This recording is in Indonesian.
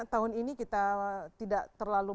tahun ini kita tidak terlalu